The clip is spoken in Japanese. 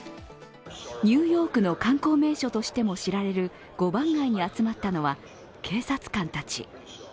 ニューヨークの観光名所としても知られる５番街に集まったのは警察官たち。